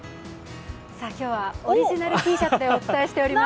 今日はオリジナルＴシャツでお伝えしています。